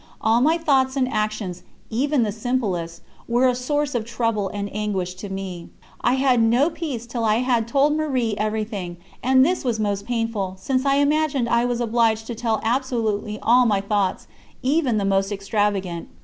All my thoughts and actions, even the simplest, were a source of trouble and anguish to me; I had no peace till I had told Marie everything, and this was most painful, since I imagined I was obliged to tell absolutely all my thoughts, even the most extravagant.